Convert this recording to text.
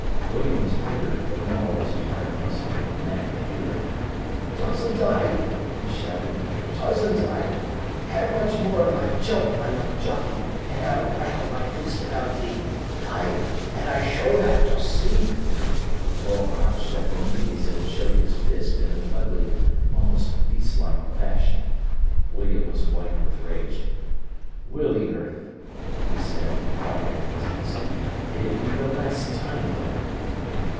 William was bigger, but Morel was hard muscled, and mad with fury. "Dossn't I?" he shouted. "Dossn't I? Ha'e much more o' thy chelp, my young jockey, an' I'll rattle my fist about thee. Ay, an' I sholl that, dost see?" Morel crouched at the knees and showed his fist in an ugly, almost beast like fashion. William was white with rage. "Will yer?" he said, quiet and intense. "It 'ud be the last time, though."